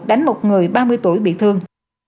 đánh một người ba mươi tuổi bị thương